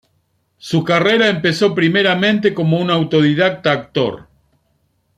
Su carrera empezó primeramente como un autodidacta actor.